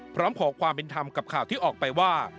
พร้อมขอความเป็นธรรมกับข่าวที่ออกไปว่า